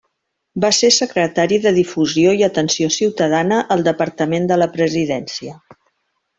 Va ser secretari de Difusió i Atenció Ciutadana al Departament de la Presidència.